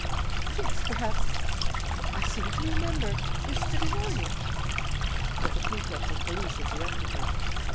Yes, perhaps, I seem to remember yesterday morning " But the Prefect of Police interrupted her.